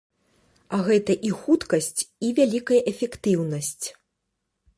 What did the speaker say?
А гэта і хуткасць, і вялікая эфектыўнасць.